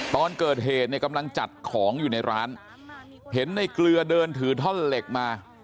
ตอนเกิดเหตุเนี่ยกำลังจัดของอยู่ในร้านเห็นในเกลือเดินถือท่อนเหล็กมา